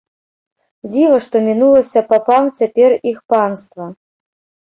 Дзіва, што мінулася папам цяпер іх панства!